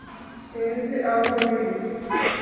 sinzi aho biri